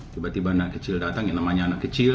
tiba tiba anak kecil datang yang namanya anak kecil